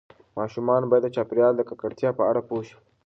ماشومان باید د چاپیریال د ککړتیا په اړه پوه شي.